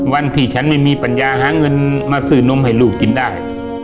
วันที่ฉันไม่มีปัญญาหาเงินมาซื้อนมให้ลูกกินได้